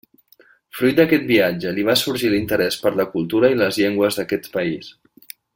Fruit d'aquest viatge li va sorgir l'interès per la cultura i les llengües d'aquest país.